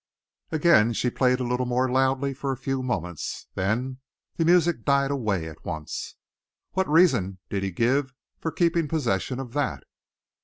Again she played a little more loudly for a few moments. Then the music died away once more. "What reason did he give for keeping possession of that?"